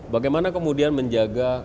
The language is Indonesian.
bagaimana kemudian menjaga